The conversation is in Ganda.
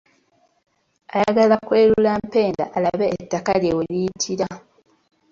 Ayagala kwerula mpenda alabe ettaka lye we liyitira.